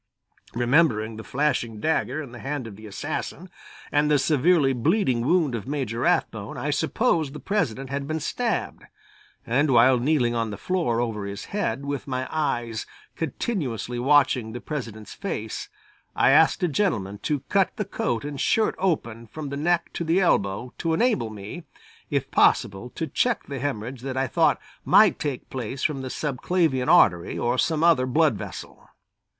Remembering the flashing dagger in the hand of the assassin, and the severely bleeding wound of Major Rathbone, I supposed the President had been stabbed, and while kneeling on the floor over his head, with my eyes continuously watching the President's face, I asked a gentleman to cut the coat and shirt open from the neck to the elbow to enable me, if possible, to check the hemorrhage that I thought might take place from the subclavian artery or some other blood vessel.